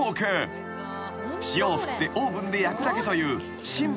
［塩を振ってオーブンで焼くだけというシンプルな調理法］